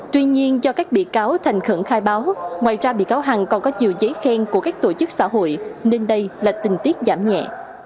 tuy nhiên do các bị cáo thành khẩn khai báo ngoài ra bị cáo hằng còn có nhiều giấy khen của các tổ chức xã hội nên đây là tình tiết giảm nhẹ